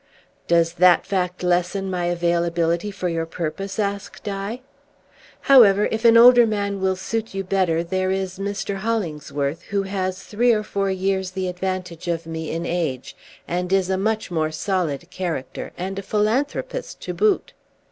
"Does that fact lessen my availability for your purpose?" asked I. "However, if an older man will suit you better, there is Mr. Hollingsworth, who has three or four years the advantage of me in age, and is a much more solid character, and a philanthropist to boot.